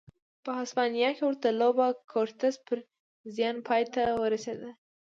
په هسپانیا کې ورته لوبه کورتس پر زیان پای ته ورسېده.